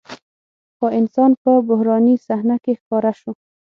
خو انسان په بحراني صحنه کې ښکاره شو.